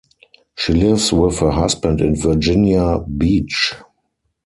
She lives with her husband in Virginia Beach.